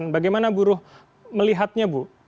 bagaimana buruh melihatnya bu